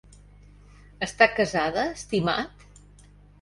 Està casada, estimat?